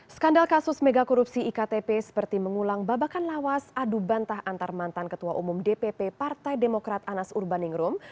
skandal kasus mega korupsi iktp seperti mengulang babakan lawas adu bantah antar mantan ketua umum dpp partai demokrat anas urbaningrum